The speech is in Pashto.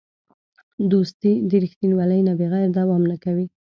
دوستي د رښتینولۍ نه بغیر دوام نه کوي.